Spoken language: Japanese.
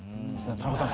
田中さん